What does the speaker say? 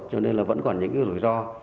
cho nên là vẫn còn những cái rủi ro